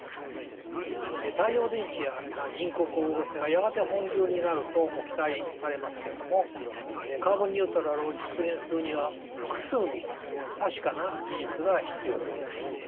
太陽電池や人工光合成がやがて本流になると期待されますけれどもカーボンニュートラルを実現するには複数の確かな技術が必要です。